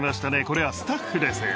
これはスタッフです。